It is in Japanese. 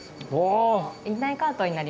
院内カートになります。